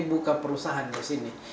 buka perusahaan di sini